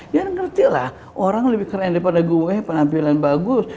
ya ngerti lah orang lebih keren daripada gue penampilan bagus